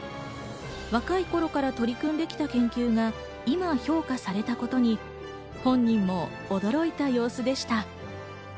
若い頃から取り組んできた研究が今評価されたことに本人も驚いた様子でした。